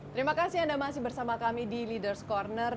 terima kasih anda masih bersama kami di leaders' corner